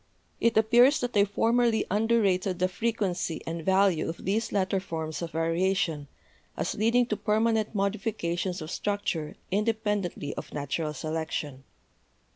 It appears that I formerly under rated the frequency and value of these latter forms of variation, as leading to permanent modifications of struc ture independently of natural selection.